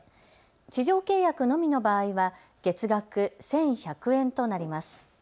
地上契約のみの場合は月額１１００円となります。